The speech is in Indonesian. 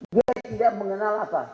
dia tidak mengenal apa